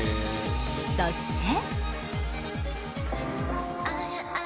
そして。